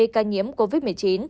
bảy mươi ca nhiễm covid một mươi chín